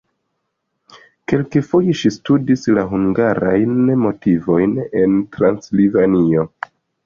Kelkfoje ŝi studis la hungarajn motivojn en Transilvanio.